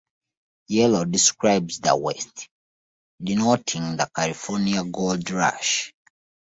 Yellow describes the West, denoting the California gold rush.